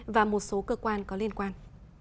và một số cơ quan có liên quan